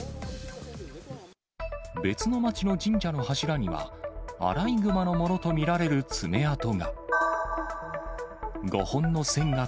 別の町の神社の柱には、アライグマのものと見られる爪痕が。